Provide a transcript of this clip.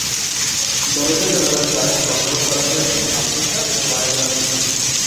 দরজা-জানালার কাঠ সংগ্রহ করা হয়েছে আফ্রিকা ও মায়ানমার থেকে।